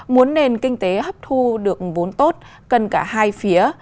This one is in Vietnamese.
muốn nền kinh tế hấp thu được vốn tốt cần cả hai phía